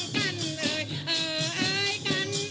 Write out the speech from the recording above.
ต่างคนต่างลำกันเอ่ย